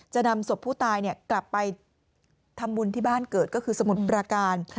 จะนำศพผู้ตายกลับไปทำบุญที่บ้านเกิดก็คือสมุทรประการ